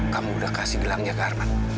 kamu udah kasih bilangnya ke arman